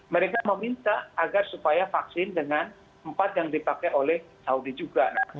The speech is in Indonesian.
mereka meminta agar supaya vaksin dengan empat yang dipakai oleh saudi juga